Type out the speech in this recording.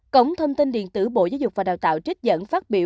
cổng thông tin điện tử bộ giáo dục và đào tạo trích dẫn phát biểu